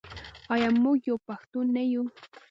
آیا موږ یو پښتون نه یو؟